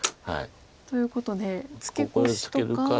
ということでツケコシとか。